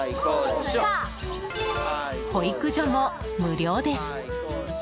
保育所も無料です。